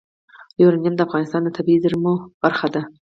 یورانیم د افغانستان د طبیعي زیرمو برخه ده.